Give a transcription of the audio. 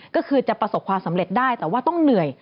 ก็คือจะประสบความสำเร็จได้แต่ว่าต้องเหนื่อย